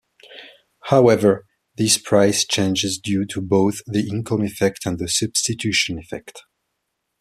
However, this price changes due to both the income effect and the substitution effect.